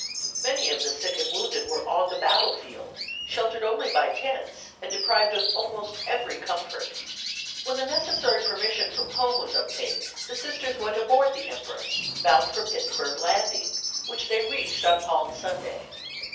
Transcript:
Many of the sick and wounded were on the battlefield, sheltered only by tents, and deprived of almost every comfort. When the necessary permission from home was obtained the Sisters went aboard the "Empress," bound for Pittsburg Landing, which they reached on Palm Sunday.